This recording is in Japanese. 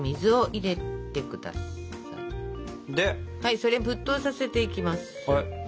それ沸騰させていきます。